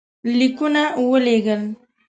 لیکونه ولېږل.